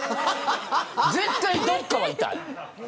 絶対どっかは痛い。